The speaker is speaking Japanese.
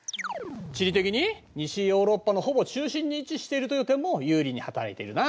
地理的に西ヨーロッパのほぼ中心に位置しているという点も有利に働いているな。